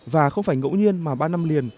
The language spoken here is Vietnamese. và không phải ngẫu nhiên mà ba năm liền